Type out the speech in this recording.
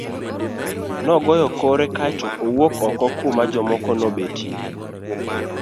Nogoyo kore kae to owuok oko kuma jomoko nobetie.